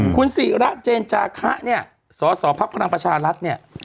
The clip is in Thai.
คุณศรีรัตน์เจนจาคะสอสอภักดิ์พระรังประชารัฐ